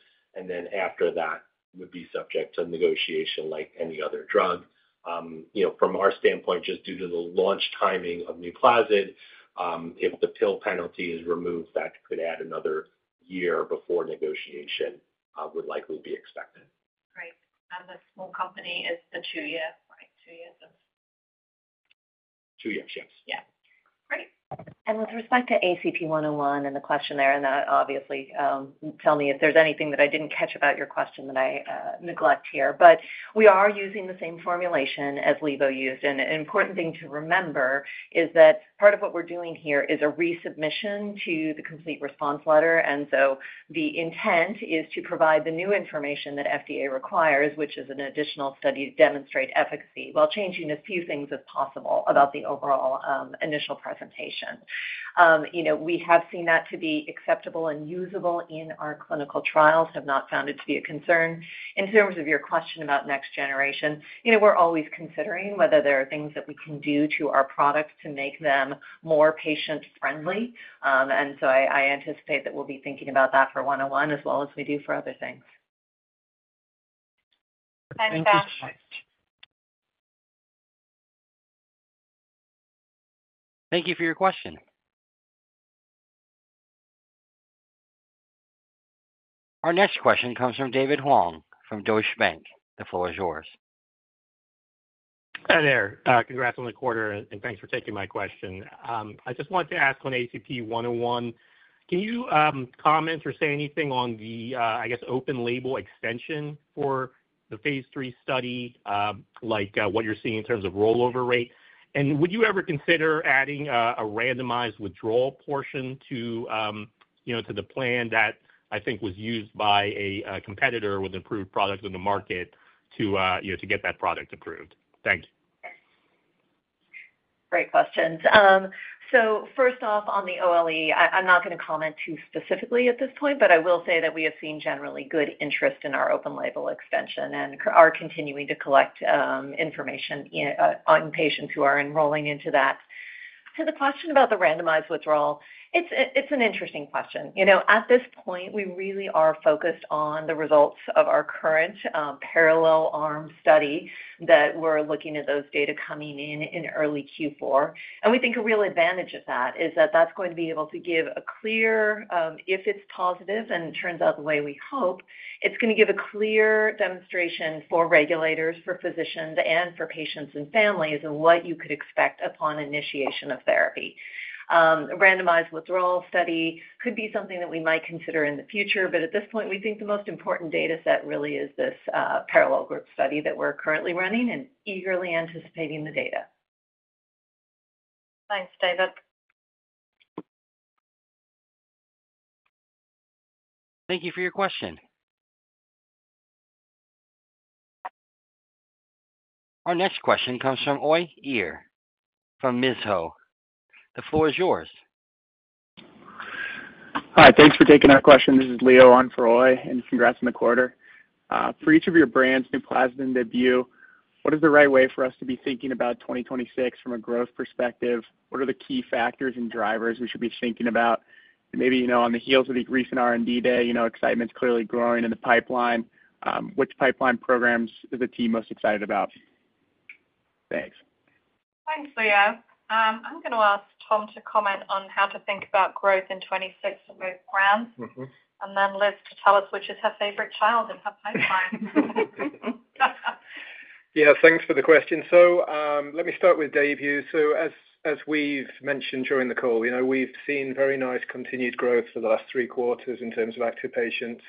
After that, we'd be subject to negotiation like any other drug. From our standpoint, just due to the launch timing of NUPLAZID, if the pill penalty is removed, that could add another year before negotiation would likely be expected.
Great. Is the small company the two-year?
Two years, yes.
Yeah.
With respect to ACP-101 and the questionnaire, tell me if there's anything that I didn't catch about your question that I neglect here. We are using the same formulation as Levo used. An important thing to remember is that part of what we're doing here is a resubmission to the complete response letter. The intent is to provide the new information that FDA requires, which is an additional study to demonstrate efficacy, while changing a few things, if possible, about the overall initial presentation. We have seen that to be acceptable and usable in our clinical trials and have not found it to be a concern. In terms of your question about next generation, we're always considering whether there are things that we can do to our product to make them more patient-friendly. I anticipate that we'll be thinking about that for 101 as well as we do for other things.
Thanks, Ash.
Thank you, Tess.
Thank you for your question. Our next question comes from David Huang from Deutsche Bank. The floor is yours.
Hi there. Congrats on the quarter and thanks for taking my question. I just want to ask, on ACP-101, can you comment or say anything on the open label extension for the Phase III study, like what you're seeing in terms of rollover rate? Would you ever consider adding a randomized withdrawal portion to the plan that I think was used by a competitor with approved products in the market to get that product approved? Thank you.
Great questions. First off, on the OLE, I'm not going to comment too specifically at this point, but I will say that we have seen generally good interest in our open label extension and are continuing to collect information on patients who are enrolling into that. To the question about the randomized withdrawal, it's an interesting question. At this point, we really are focused on the results of our current parallel arm study that we're looking at, those data coming in in early Q4. We think a real advantage of that is that it's going to be able to give a clear, if it's positive and turns out the way we hope, it's going to give a clear demonstration for regulators, for physicians, and for patients and families of what you could expect upon initiation of therapy. Randomized withdrawal study could be something that we might consider in the future. At this point, we think the most important data set really is this parallel group study that we're currently running and eagerly anticipating the data.
Thanks, David.
Thank you for your question. Our next question comes from Uy Ear from Mizuho. The floor is yours. Hi. Thanks for taking our question. This is Leo on for Uy, and congrats on the quarter. For each of your brands, NUPLAZID and DAYBUE, what is the right way for us to be thinking about 2026 from a growth perspective? What are the key factors and drivers we should be thinking about? Maybe, you know, on the heels of the recent R&D day, excitement's clearly growing in the pipeline. Which pipeline programs is the team most excited about? Thanks.
Thanks, Leo. I'm going to ask Tom to comment on how to think about growth in 2026 for both brands, and then Liz to tell us which is her favorite trial in her pipeline.
Yeah, thanks for the question. Let me start with DAYBUE. As we've mentioned during the call, we've seen very nice continued growth for the last three quarters in terms of active patients.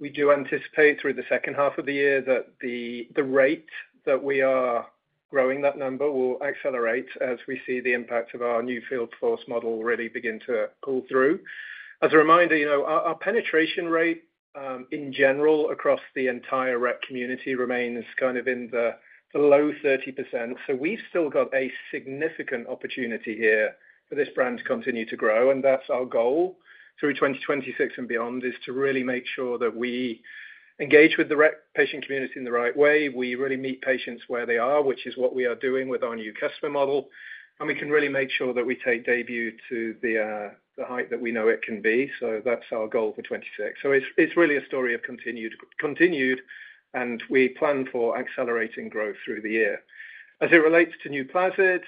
We do anticipate through the second half of the year that the rate that we are growing that number will accelerate as we see the impacts of our new field force model really begin to pull through. As a reminder, our penetration rate in general across the entire Rett community remains kind of in the low 30%. We've still got a significant opportunity here for this brand to continue to grow, and that's our goal through 2026 and beyond, to really make sure that we engage with the Rett patient community in the right way. We really meet patients where they are, which is what we are doing with our new customer model. We can really make sure that we take DAYBUE to the height that we know it can be. That's our goal for 2026. It's really a story of continued, and we plan for accelerating growth through the year. As it relates to NUPLAZID,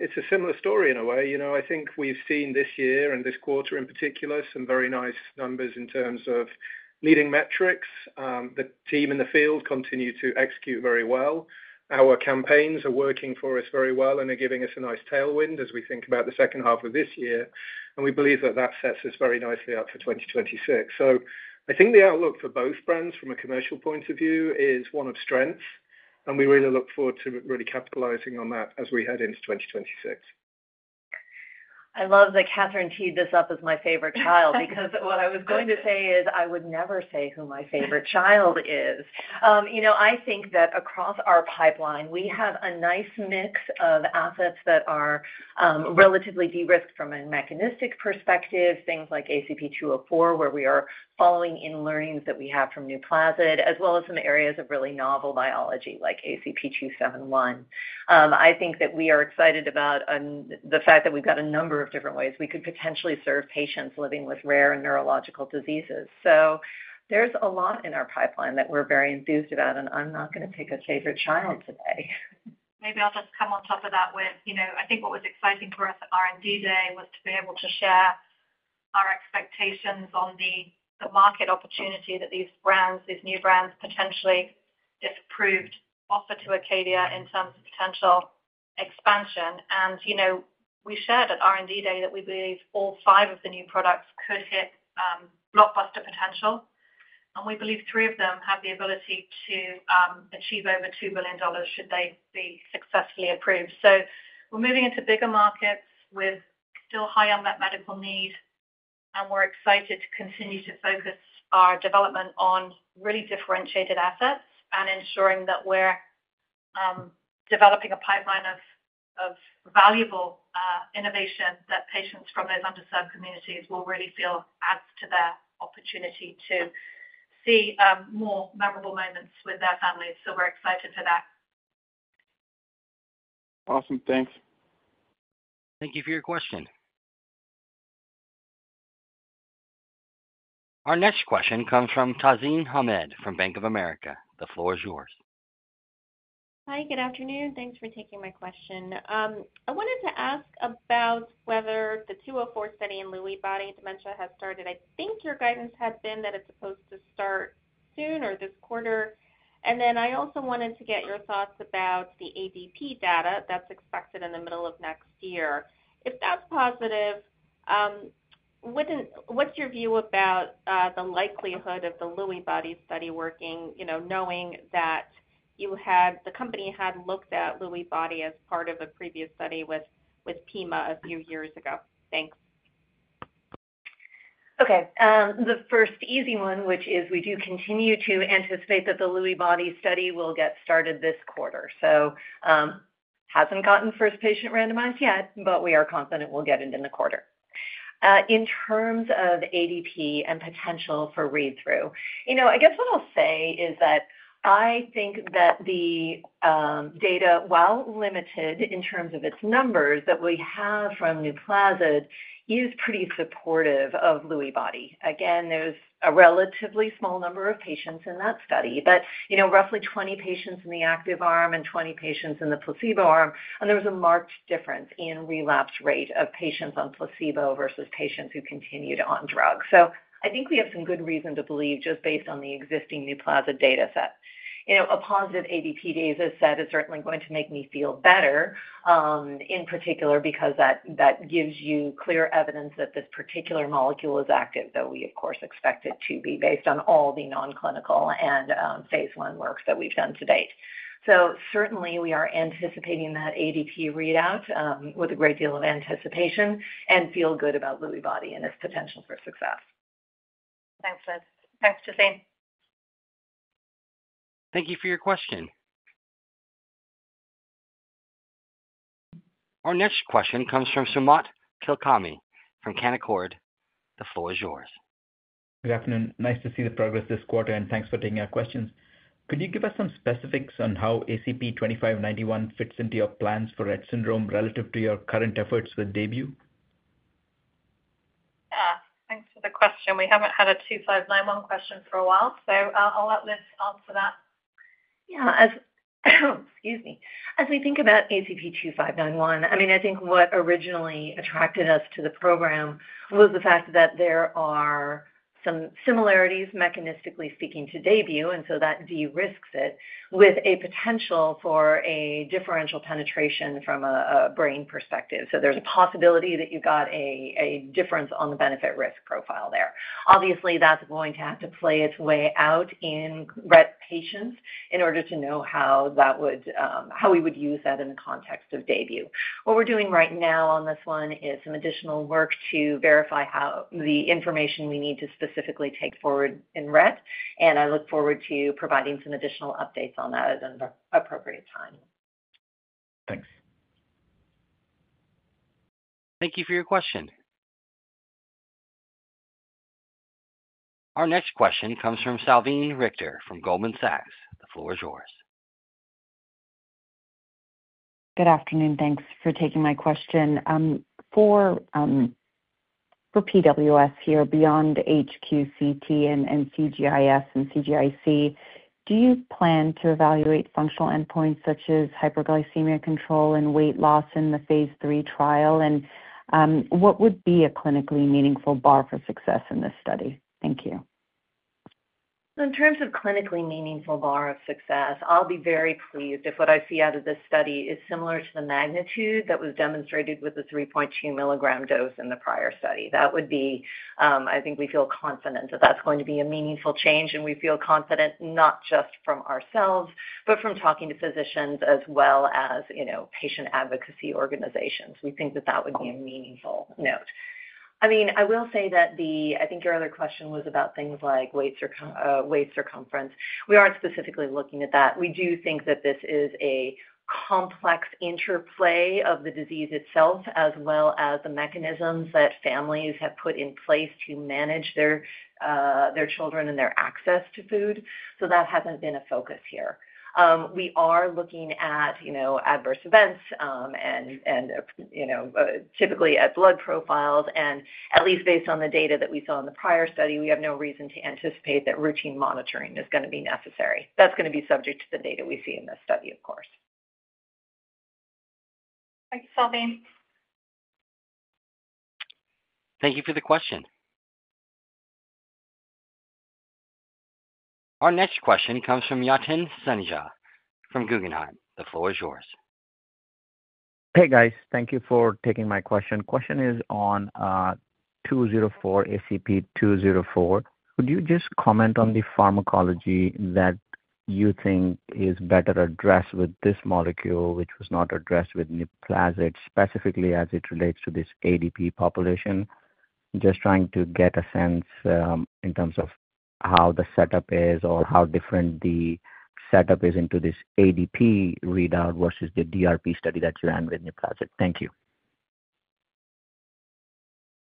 it's a similar story in a way. I think we've seen this year and this quarter in particular some very nice numbers in terms of leading metrics. The team in the field continue to execute very well. Our campaigns are working for us very well and are giving us a nice tailwind as we think about the second half of this year. We believe that sets us very nicely up for 2026. I think the outlook for both brands from a commercial point of view is one of strength, and we really look forward to really capitalizing on that as we head into 2026.
I love that Catherine teed this up as my favorite child because what I was going to say is I would never say who my favorite child is. I think that across our pipeline, we have a nice mix of assets that are relatively de-risked from a mechanistic perspective, things like ACP-204, where we are following in learnings that we have from NUPLAZID, as well as some areas of really novel biology like ACP-271. I think that we are excited about the fact that we've got a number of different ways we could potentially serve patients living with rare and neurological diseases. There is a lot in our pipeline that we're very enthused about, and I'm not going to pick a favorite child today.
Maybe I'll just come on top of that with, you know, I think what was exciting for us at R&D Day was to be able to share our expectations on the market opportunity that these brands, these new brands, potentially, if approved, offer to Acadia Pharmaceuticals in terms of potential expansion. You know, we shared at R&D Day that we believe all five of the new products could hit blockbuster potential. We believe three of them have the ability to achieve over $2 billion should they be successfully approved. We're moving into bigger markets with still high unmet medical needs, and we're excited to continue to focus our development on really differentiated assets and ensuring that we're developing a pipeline of valuable innovation that patients from those underserved communities will really feel adds to their opportunity to see more memorable moments with their families. We're excited for that. Awesome. Thanks.
Thank you for your question. Our next question comes from Tazeen Ahmad from Bank of America. The floor is yours.
Hi. Good afternoon. Thanks for taking my question. I wanted to ask about whether the ACP-204 study in Lewy body dementia psychosis has started. I think your guidance had been that it's supposed to start soon or this quarter. I also wanted to get your thoughts about the ADP data that's expected in the middle of next year. If that's positive, what's your view about the likelihood of the Lewy body study working, knowing that the company had looked at Lewy body as part of a previous study with NUPLAZID a few years ago? Thanks.
Okay. The first easy one, which is we do continue to anticipate that the Lewy body study will get started this quarter. It hasn't gotten first patient randomized yet, but we are confident we'll get it in the quarter. In terms of ADP and potential for read-through, what I'll say is that I think that the data, while limited in terms of its numbers, that we have from NUPLAZID is pretty supportive of Lewy body. There's a relatively small number of patients in that study, roughly 20 patients in the active arm and 20 patients in the placebo arm. There was a marked difference in relapse rate of patients on placebo versus patients who continued on drugs. I think we have some good reason to believe, just based on the existing NUPLAZID data set. A positive ADP data set is certainly going to make me feel better, in particular, because that gives you clear evidence that this particular molecule is active, though we, of course, expect it to be based on all the non-clinical and Phase I works that we've done to date. We are anticipating that ADP readout with a great deal of anticipation and feel good about Lewy body and its potential for success.
Thanks, Elizabeth. Thanks, Tazeen.
Thank you for your question. Our next question comes from Sumant Kulkarni from Canaccord Genuity. The floor is yours.
Good afternoon. Nice to see the progress this quarter, and thanks for taking our questions. Could you give us some specifics on how ACP-101 fits into your plans for Rett syndrome relative to your current efforts with DAYBUE?
Yeah. Thanks for the question. We haven't had a 2591 question for a while. I'll let Liz answer that.
As we think about ACP-101, I mean, I think what originally attracted us to the program was the fact that there are some similarities, mechanistically speaking, to DAYBUE, and that de-risks it with a potential for a differential penetration from a brain perspective. There's a possibility that you've got a difference on the benefit-risk profile there. Obviously, that's going to have to play its way out in Rett patients in order to know how we would use that in the context of DAYBUE. What we're doing right now on this one is some additional work to verify how the information we need to specifically take forward in Rett. I look forward to providing some additional updates on that at an appropriate time.
Thanks.
Thank you for your question. Our next question comes from Salveen Richter from Goldman Sachs. The floor is yours.
Good afternoon. Thanks for taking my question. For Prader-Willi syndrome here, beyond HQCT and CGIS and CGIC, do you plan to evaluate functional endpoints such as hyperglycemia control and weight loss in the Phase III trial? What would be a clinically meaningful bar for success in this study? Thank you.
In terms of clinically meaningful bar of success, I'll be very pleased if what I see out of this study is similar to the magnitude that was demonstrated with the 3.2 mg dose in the prior study. That would be, I think we feel confident that that's going to be a meaningful change. We feel confident not just from ourselves, but from talking to physicians as well as patient advocacy organizations. We think that that would be a meaningful note. I think your other question was about things like weight circumference. We aren't specifically looking at that. We do think that this is a complex interplay of the disease itself, as well as the mechanisms that families have put in place to manage their children and their access to food. That hasn't been a focus here. We are looking at adverse events and typically at blood profiles. At least based on the data that we saw in the prior study, we have no reason to anticipate that routine monitoring is going to be necessary. That's going to be subject to the data we see in this study, of course.
Thanks, Salveen.
Thank you for the question. Our next question comes from Yatin Suneja from Guggenheim. The floor is yours.
Hey, guys. Thank you for taking my question. The question is on ACP-204. Could you just comment on the pharmacology that you think is better addressed with this molecule, which was not addressed with NUPLAZID, specifically as it relates to this ADP population? I'm just trying to get a sense in terms of how the setup is or how different the setup is into this ADP readout versus the DRP study that you ran with NUPLAZID. Thank you.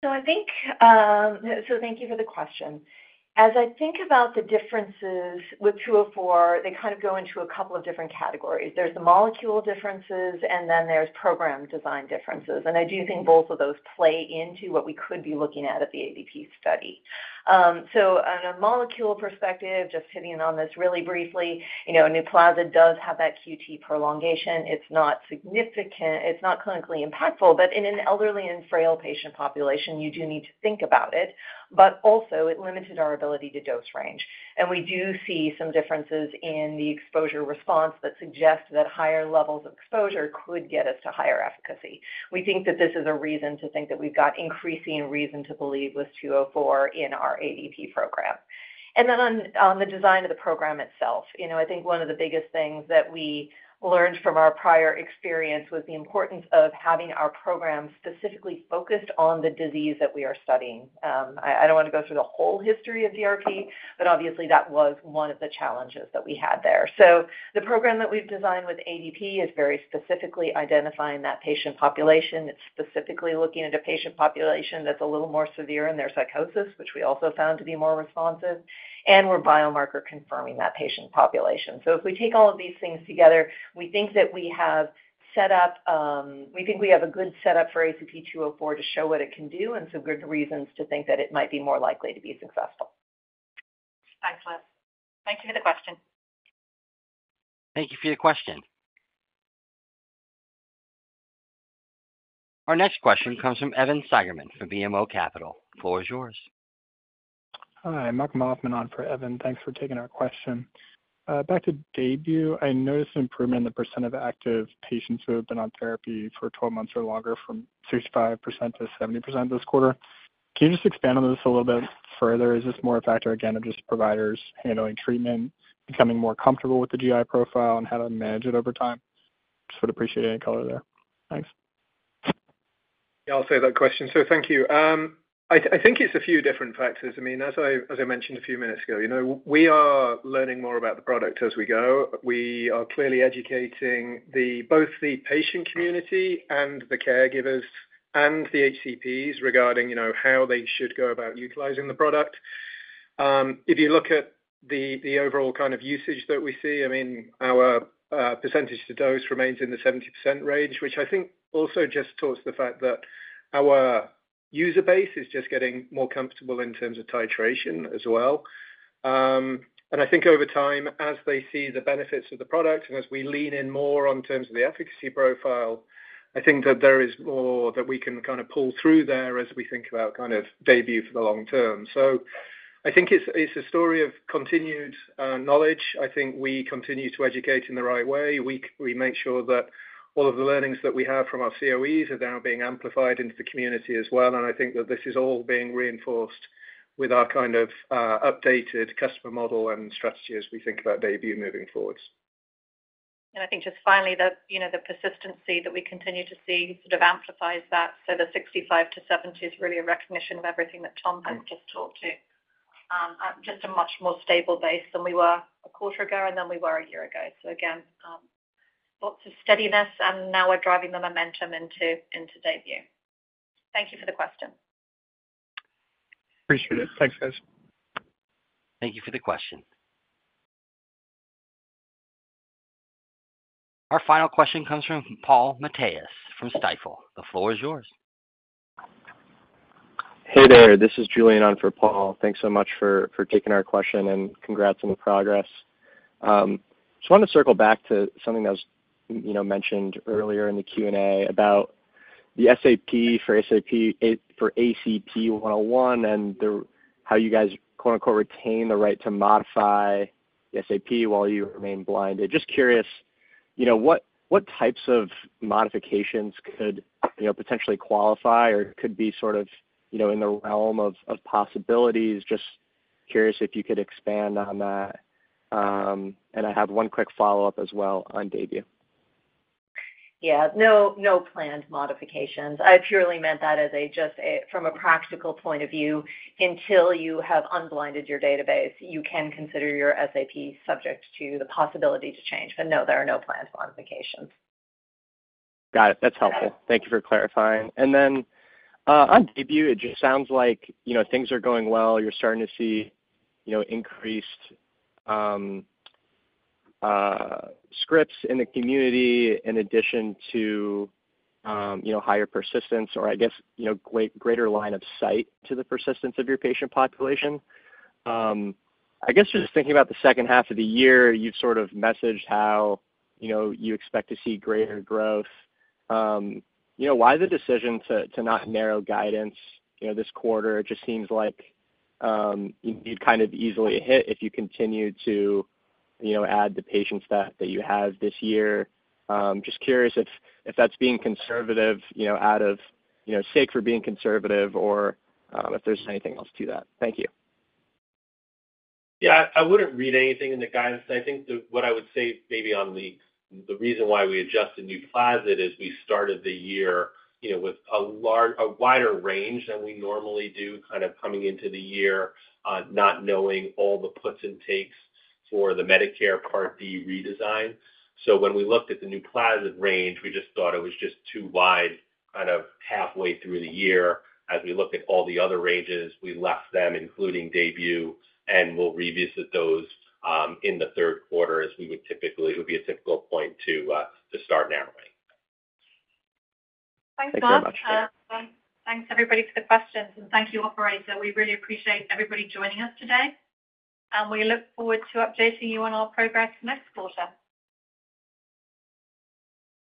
Thank you for the question. As I think about the differences with ACP-204, they kind of go into a couple of different categories. There are the molecule differences, and then there are program design differences. I do think both of those play into what we could be looking at at the ADP study. On a molecule perspective, just hitting on this really briefly, you know, NUPLAZID does have that QT prolongation. It's not significant. It's not clinically impactful. In an elderly and frail patient population, you do need to think about it. It limited our ability to dose range. We do see some differences in the exposure response that suggest that higher levels of exposure could get us to higher efficacy. We think that this is a reason to think that we've got increasing reason to believe with ACP-204 in our ADP program. On the design of the program itself, I think one of the biggest things that we learned from our prior experience was the importance of having our program specifically focused on the disease that we are studying. I don't want to go through the whole history of DRP, but obviously, that was one of the challenges that we had there. The program that we've designed with ADP is very specifically identifying that patient population. It's specifically looking into a patient population that's a little more severe in their psychosis, which we also found to be more responsive. We're biomarker confirming that patient population. If we take all of these things together, we think that we have a good setup for ACP-204 to show what it can do and some good reasons to think that it might be more likely to be successful.
Thanks, Liz. Thank you for the question.
Thank you for your question. Our next question comes from Evan Seigerman from BMO Capital. The floor is yours.
Hi. I'm Evan Seigerman. Thanks for taking our question. Back to DAYBUE, I noticed an improvement in the percent of active patients who have been on therapy for 12 months or longer from 65% to 70% this quarter. Can you just expand on this a little bit further? Is this more a factor, again, of just providers handling treatment, becoming more comfortable with the GI profile, and how to manage it over time? Just would appreciate any color there. Thanks.
Yeah, I'll take that question. Thank you. I think it's a few different factors. I mean, as I mentioned a few minutes ago, we are learning more about the product as we go. We are clearly educating both the patient community and the caregivers and the HCPs regarding how they should go about utilizing the product. If you look at the overall kind of usage that we see, our percentage to dose remains in the 70% range, which I think also just talks to the fact that our user base is just getting more comfortable in terms of titration as well. I think over time, as they see the benefits of the product and as we lean in more on terms of the efficacy profile, there is more that we can kind of pull through there as we think about DAYBUE for the long term. I think it's a story of continued knowledge. I think we continue to educate in the right way. We make sure that all of the learnings that we have from our COEs are now being amplified into the community as well. I think that this is all being reinforced with our kind of updated customer model and strategy as we think about DAYBUE moving forward.
I think just finally, the persistency that we continue to see sort of amplifies that. The 65%-70% is really a recognition of everything that Tom has just talked to, just a much more stable base than we were a quarter ago and than we were a year ago. Again, lots of steadiness and now we're driving the momentum into DAYBUE. Thank you for the question.
Appreciate it. Thanks, guys.
Thank you for the question. Our final question comes from Paul Matthias from Stifel. The floor is yours.
Hey there. This is Julian on for Paul. Thanks so much for taking our question and congrats on the progress. I just wanted to circle back to something that was mentioned earlier in the Q&A about the SAP for ACP-101 and how you guys "retain the right to modify the SAP while you remain blind." Just curious, you know, what types of modifications could potentially qualify or could be sort of, you know, in the realm of possibilities? Just curious if you could expand on that. I have one quick follow-up as well on DAYBUE.
No planned modifications. I purely meant that just from a practical point of view, until you have unblinded your database, you can consider your SAP subject to the possibility to change. There are no planned modifications.
Got it. That's helpful. Thank you for clarifying. On DAYBUE, it just sounds like things are going well. You're starting to see increased scripts in the community in addition to higher persistence or, I guess, greater line of sight to the persistence of your patient population. Just thinking about the second half of the year, you've sort of messaged how you expect to see greater growth. Why the decision to not narrow guidance this quarter? It just seems like you'd kind of easily hit if you continue to add the patients that you have this year. Just curious if that's being conservative out of sake for being conservative or if there's anything else to that. Thank you.
Yeah, I wouldn't read anything in the guidance. I think what I would say maybe on the reason why we adjusted NUPLAZID is we started the year with a wider range than we normally do, kind of coming into the year, not knowing all the puts and takes for the Medicare Part D redesign. When we looked at the NUPLAZID range, we just thought it was just too wide, kind of halfway through the year. As we looked at all the other ranges, we left them, including DAYBUE, and we'll revisit those in the third quarter as we would typically, it would be a typical point to start narrowing.
Thanks, Mark. Thanks, everybody, for the questions. Thank you, Operator. We really appreciate everybody joining us today. We look forward to updating you on our progress next quarter.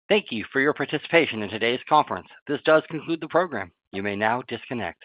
Thank you for your participation in today's conference. This does conclude the program. You may now disconnect.